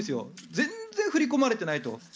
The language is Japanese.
全然、振り込まれていないと。